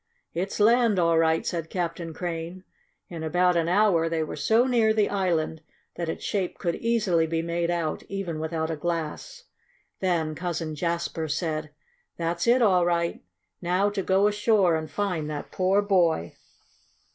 "It's land all right," said Captain Crane. In about an hour they were so near the island that its shape could easily be made out, even without a glass. Then Cousin Jasper said: "That's it all right. Now to go ashore and find that poor boy!"